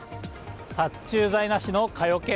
殺虫剤なしの蚊よけ。